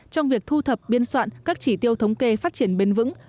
trong việc thu thập biên soạn các chỉ tiêu thống kê phát triển bền vững